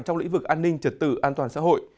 trong lĩnh vực an ninh trật tự an toàn xã hội